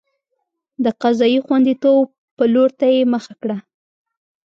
د قضایي خوندیتوب پلور ته یې مخه کړه.